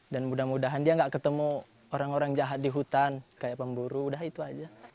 dan mudah mudahan dia nggak ketemu orang orang jahat di hutan kayak pemburu udah itu aja